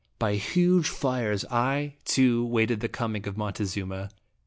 By huge fires, 1, too, waited the coming of Montezuma.